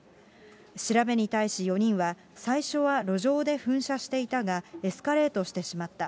調べに対し４人は、最初は路上で噴射していたが、エスカレートしてしまった。